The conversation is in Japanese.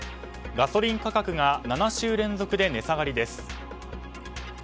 ガソリン価格が７週連続で値下がりです。